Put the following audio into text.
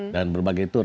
dan berbagai tour